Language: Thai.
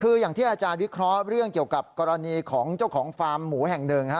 คืออย่างที่อาจารย์วิเคราะห์เรื่องเกี่ยวกับกรณีของเจ้าของฟาร์มหมูแห่งหนึ่งฮะ